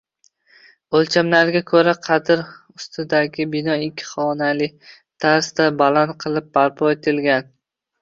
Oʻlchamlariga koʻra, qabr ustidagi bino ikki xonali tarzda, baland qilib barpo etilgan